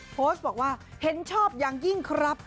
โพสต์บอกว่าเห็นชอบอย่างยิ่งครับ